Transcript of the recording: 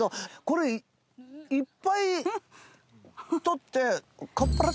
これいっぱいとって。